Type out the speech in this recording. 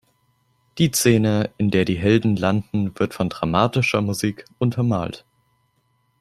Die Szene, in der die Helden landen, wird von dramatischer Musik untermalt.